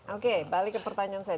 oke balik ke pertanyaan saya